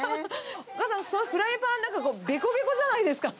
お母さん、そのフライパンなんか、べこべこじゃないですか。